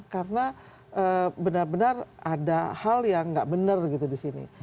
karena benar benar ada hal yang nggak benar gitu di sini